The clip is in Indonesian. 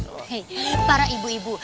hei para ibu ibu